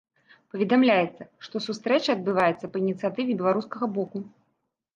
Паведамляецца, што сустрэча адбываецца па ініцыятыве беларускага боку.